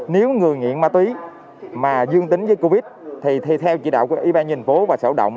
nếu người nghiện ma túy mà dương tính với covid thì theo chỉ đạo của ủy ban nhân phố và sở động